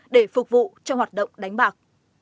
để phục vụ cho hoạt động đánh bạc